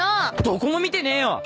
どこも見てねえよ！